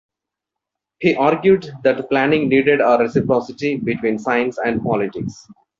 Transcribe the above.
He argued that planning needed a reciprocity between science and politics.